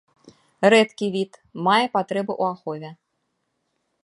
Рэдкі від, мае патрэбу ў ахове.